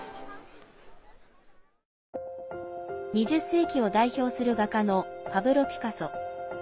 ２０世紀を代表する画家のパブロ・ピカソ。